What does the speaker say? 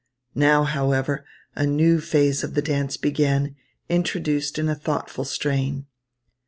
Now, however, a new phase of the dance began, introduced in a thoughtful strain.